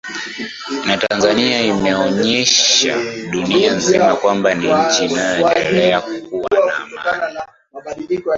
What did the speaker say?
na tanzania imeonyesha dunia nzima kwamba ni nchi inaendelea kuwa na amani